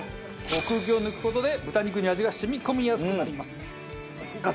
空気を抜く事で豚肉に味が染み込みやすくなります。